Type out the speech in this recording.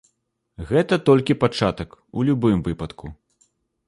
Гэта толькі пачатак, у любым выпадку.